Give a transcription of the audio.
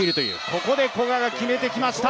ここで古賀が決めてきました。